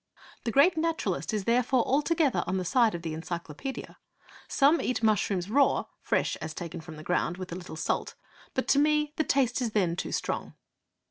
The great naturalist is therefore altogether on the side of the Encyclopaedia. 'Some eat mushrooms raw, fresh as taken from the ground, with a little salt; but to me the taste is then too strong.'